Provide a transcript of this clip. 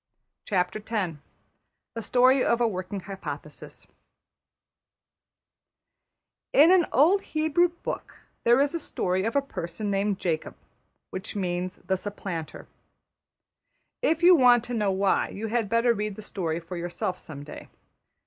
\chapter{The Story of a Working Hypothesis} In an old Hebrew book there is a story of a person named Jacob, which means the Supplanter. If you want to know why, you had better read the story for yourself some day.